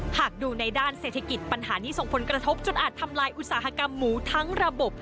หากดูในด้านเศรษฐกิจปัญหานี้ส่งผลกระทบจนอาจทำลายอุตสาหกรรมหมูทั้งระบบ